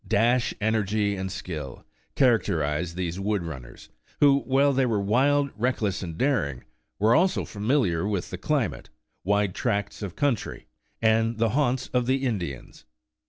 Dash, energy and skill, characterized these wood run ners, who, while they were wild, reckless, and daring, were also familiar with the climate, wide tracts of coun try, and the haunts of the Indians.